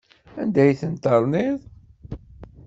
Anda ay ten-terniḍ?